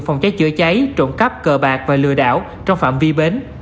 phòng cháy chữa cháy trộm cắp cờ bạc và lừa đảo trong phạm vi bến